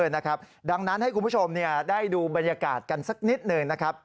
นะครับดังนั้นให้คุณผู้ชมได้ดูบรรยากาศกันสักนิดหนึ่งนะครับ